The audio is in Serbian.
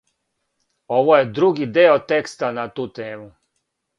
Ово је други део текста на ту тему.